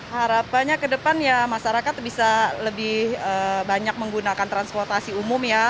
harapannya ke depan ya masyarakat bisa lebih banyak menggunakan transportasi umum ya